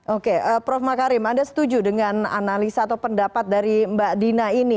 oke prof makarim anda setuju dengan analisa atau pendapat dari mbak dina ini